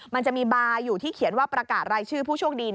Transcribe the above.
มันจะมีบาร์อยู่ที่เขียนว่าประกาศรายชื่อผู้โชคดี